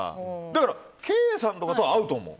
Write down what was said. だからケイさんとかとは合うと思う。